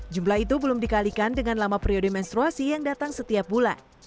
jumlah itu belum dikalikan dengan lama periode menstruasi yang datang setiap bulan